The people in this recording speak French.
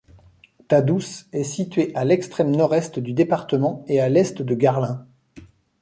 Tadousse est situé à l'extrême nord-est du département et à l'est de Garlin.